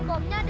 oh ternyata dia